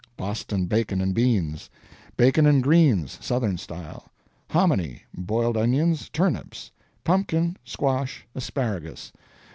Boston bacon and beans. Bacon and greens, Southern style. Hominy. Boiled onions. Turnips. Pumpkin. Squash. Asparagus.